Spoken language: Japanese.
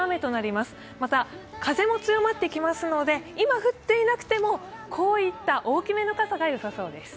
また、風も強まってきますので今、降っていなくてもこういった大きめの傘がよさそうです。